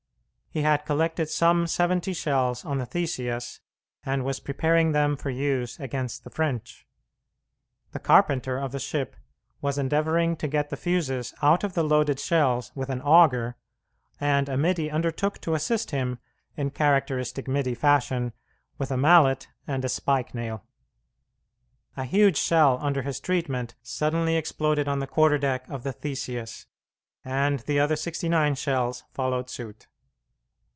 He had collected some seventy shells on the Theseus, and was preparing them for use against the French. The carpenter of the ship was endeavouring to get the fuses out of the loaded shells with an auger, and a middy undertook to assist him, in characteristic middy fashion, with a mallet and a spike nail. A huge shell under his treatment suddenly exploded on the quarter deck of the Theseus, and the other sixty nine shells followed suit.